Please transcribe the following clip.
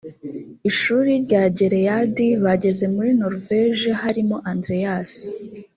ishuri rya gileyadi bageze muri noruveje harimo andreas